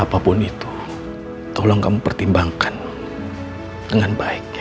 apapun itu tolong kamu pertimbangkan dengan baik